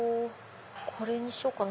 これにしようかな。